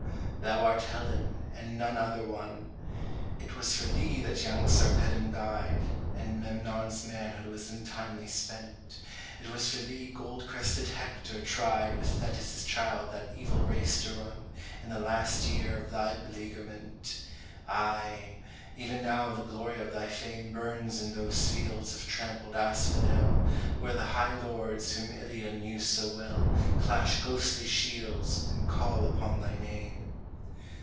thou art Helen, and none other one ! It was for thee that young Sarpeddn died, And Memndn's manhood was untimely spent ; It was for thee gold crested Hector tried With Thetis' child that evil race to run, In the last year of thy beleaguerment ; Ay I even now the glory of thy fame Burns in those fields of trampled asphodel, Where the high lords whom Ilion knew so well Clash ghostly shields, and call upon thy name.